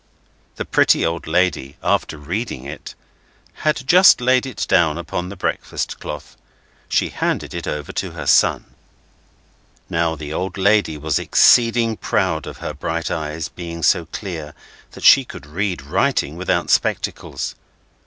The pretty old lady, after reading it, had just laid it down upon the breakfast cloth. She handed it over to her son. Now, the old lady was exceedingly proud of her bright eyes being so clear that she could read writing without spectacles.